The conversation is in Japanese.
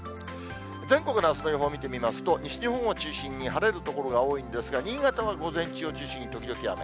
全国のあすの予報見てみますと、西日本を中心に晴れる所が多いんですが、新潟は午前中を中心に時々雨。